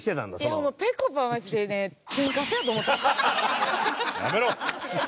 いやぺこぱはマジでねやめろ！